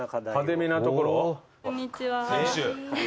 こんにちは。